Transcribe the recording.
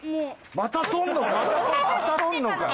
また取んのかよ。